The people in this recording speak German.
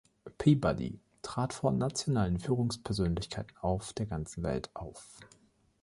Peabody trat vor nationalen Führungspersönlichkeiten auf der ganzen Welt auf.